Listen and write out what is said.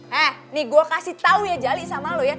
he nih gue kasih tau ya jali sama lo ya